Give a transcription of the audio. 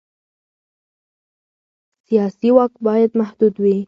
سیاسي واک باید محدود وي